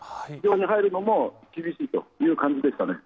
非常に入るのも厳しいという感じ